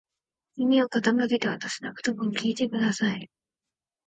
耳を傾けてわたしの言葉を聞いてください。